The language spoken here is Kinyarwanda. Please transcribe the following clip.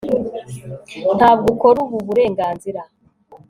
Ntabwo ukora ubu burenganzira